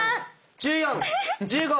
１４１５。